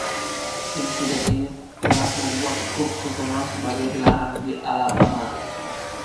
Insiden ini telah membuat grup terkenal sebagai “dilarang di Alabama”.